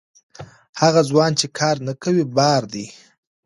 هغه ځوان چې کار نه کوي، بار دی.